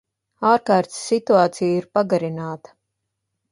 Ārkārtas situācija ir pagarināta.